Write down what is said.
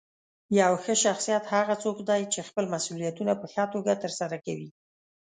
یو ښه شخصیت هغه څوک دی چې خپل مسؤلیتونه په ښه توګه ترسره کوي.